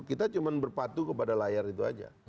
kita cuma berpatu kepada layar itu aja